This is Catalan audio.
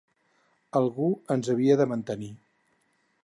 Algú ens havia de mantenir.